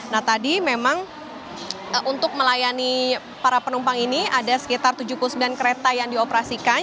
nah tadi memang untuk melayani para penumpang ini ada sekitar tujuh puluh sembilan kereta yang dioperasikan